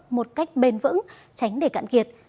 một cách bền vững tránh để cạn kiệt